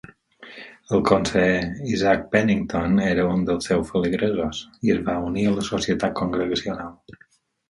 El conseller Isaac Pennington era un dels seus feligresos i es va unir a la societat congregacional.